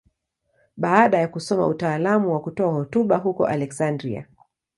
Baada ya kusoma utaalamu wa kutoa hotuba huko Aleksandria.